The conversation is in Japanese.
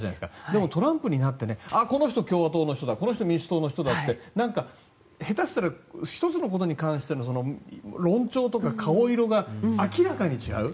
でもトランプになってこの人、共和党の人だこの人、民主党の人だって下手したら１つのことに関しての論調とか顔色が明らかに違う。